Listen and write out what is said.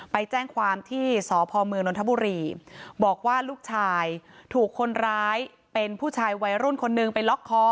ไปแจ้งความที่สพเมืองนทบุรีบอกว่าลูกชายถูกคนร้ายเป็นผู้ชายวัยรุ่นคนนึงไปล็อกคอ